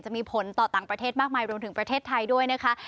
จะมีผลต่อต่างประเทศมากมายรวมถึงประเทศไทยด้วยนะคะ